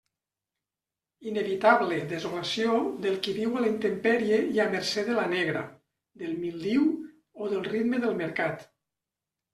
Inevitable desolació del qui viu a la intempèrie i a mercé de la negra, del míldiu o del ritme del mercat.